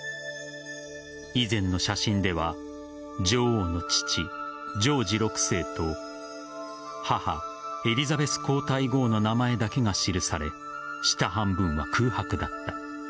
以前の写真では女王の父・ジョージ６世と母・エリザベス皇太后の名前だけが記され下半分は空白だった。